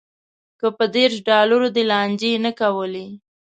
که په دېرش ډالرو دې لانجې نه کولی.